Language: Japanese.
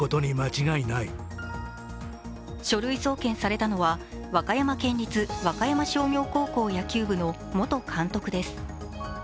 書類送検されたのは和歌山県立和歌山商業高校野球部の元監督です。